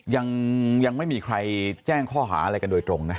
ยังไม่มีใครแจ้งข้อหาอะไรกันโดยตรงนะ